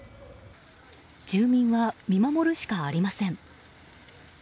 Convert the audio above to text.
住民は見守るしかありません。